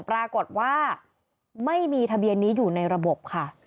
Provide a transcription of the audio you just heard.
ปรากฏว่าไม่มีทะเบียนนี้อยู่ในระบบค่ะ